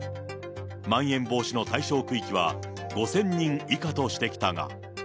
まん延防止の対象区域は５０００人以下としてきたが。